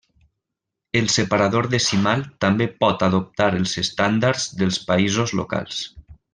El separador decimal també pot adoptar els estàndards dels països locals.